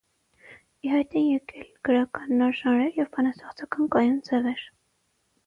Ի հայտ են եկել գրական նոր ժանրեր և բանաստեղծական կայուն ձևեր։